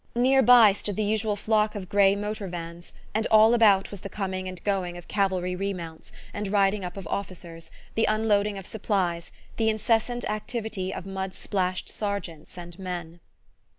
Near by stood the usual flock of grey motor vans, and all about was the coming and going of cavalry remounts, the riding up of officers, the unloading of supplies, the incessant activity of mud splashed sergeants and men.